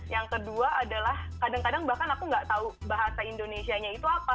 yang kedua adalah kadang kadang bahkan aku nggak tahu bahasa indonesia nya itu apa